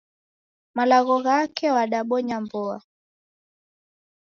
Malagho ghake wadabonya mboa.